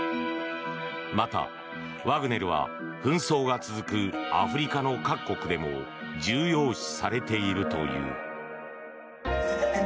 また、ワグネルは紛争が続くアフリカの各国でも重要視されているという。